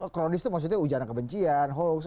kronis itu maksudnya ujian kebencian hukum